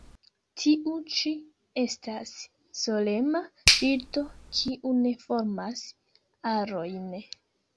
Tiu ĉi estas solema birdo kiu ne formas arojn.